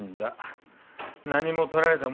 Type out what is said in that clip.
何も取られたものはない。